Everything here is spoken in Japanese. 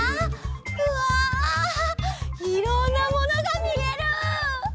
うわいろんなものがみえる！